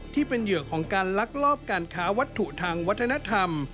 ที่เป็นเหยื่อของการลักลอบการค้าวัตถุทางวัฒนธรรม